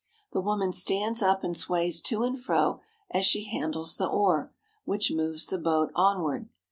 The woman stands up and sways to and fro as she handles the oar, which moves the boat onward.